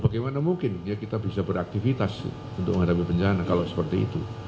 bagaimana mungkin ya kita bisa beraktivitas untuk menghadapi bencana kalau seperti itu